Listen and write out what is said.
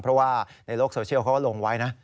เพราะว่าในโลกโซเชียลเขาก็ลงไว้นะ